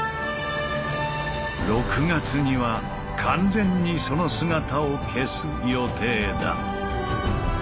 ６月には完全にその姿を消す予定だ。